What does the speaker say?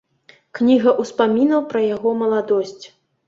Кніга ўспамінаў пра яго маладосць.